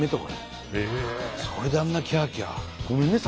それであんなキャーキャー？